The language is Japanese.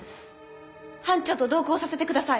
班長と同行させてください。